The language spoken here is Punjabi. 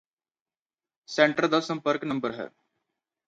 ਸੈਂਟਰ ਦਾ ਸੰਪਰਕ ਨੰਬਰ ਹੈ